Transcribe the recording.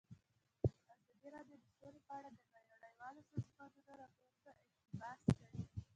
ازادي راډیو د سوله په اړه د نړیوالو سازمانونو راپورونه اقتباس کړي.